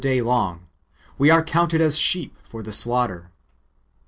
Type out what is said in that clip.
day long, we are counted as sheep for the slaughter."